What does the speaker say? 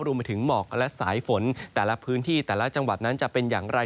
รวมไปถึงหมอกและสายฝนแต่ละพื้นที่แต่ละจังหวัดนั้นจะเป็นอย่างไร